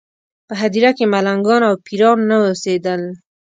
په هدیره کې ملنګان او پېران نه اوسېدل.